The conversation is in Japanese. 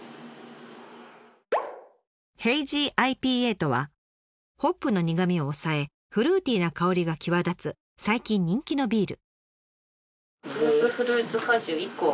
とはホップの苦みを抑えフルーティーな香りが際立つ最近人気のビール。